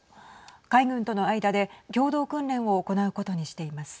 海軍との間で共同訓練を行うことにしています。